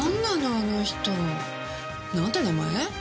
あの人。なんて名前？